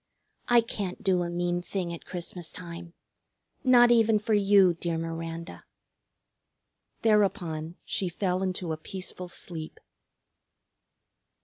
I can't do a mean thing at Christmas time, not even for you, dear Miranda." Thereupon she fell into a peaceful sleep.